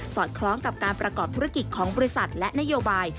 อดคล้องกับการประกอบธุรกิจของบริษัทและนโยบาย